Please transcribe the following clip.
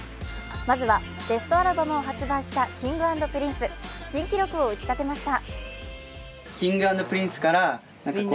まずはベストアルバムを発売したＫｉｎｇ＆Ｐｒｉｎｃｅ新記録を打ち立てました。